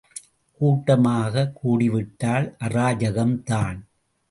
கூட்டமாக கூடிவிட்டால் அராஜகம்தான்!